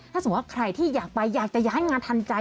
ถ้าสมมุติว่าใครที่อยากไปอยากจะย้ายงานทันใจ